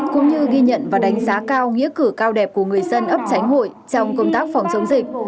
cũng như ghi nhận và đánh giá cao nghĩa cử cao đẹp của người dân ấp tránh hội trong công tác phòng chống dịch